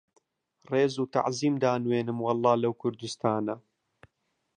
ڕێز و تەعزیم دانوێنم وەڵڵا لەو کوردوستانە